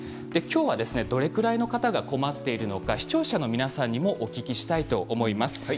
きょうは、どれぐらいの方が困っているのか視聴者の皆さんにもお聞きします。